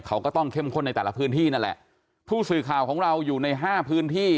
เขาก็ต้องเข้มข้นในแต่ละพื้นที่นั่นแหละผู้สื่อข่าวของเราอยู่ในห้าพื้นที่